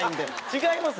違います